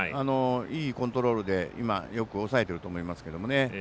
いいコントロールでよく抑えてると思いますけどね。